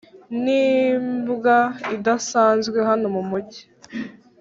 nimbwa idasanzwe hano mumujyi.